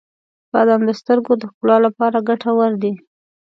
• بادام د سترګو د ښکلا لپاره ګټور دي.